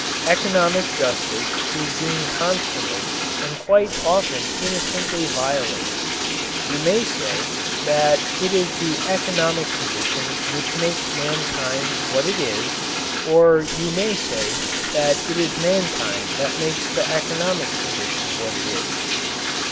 Economic justice is being constantly and quite often innocently violated. You may say that it is the economic condition which makes mankind what it is; or you may say that it is mankind that makes the economic condition what it is.